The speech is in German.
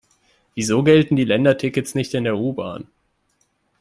Wieso gelten die Ländertickets nicht in der U-Bahn?